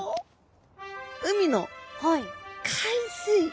海の海水。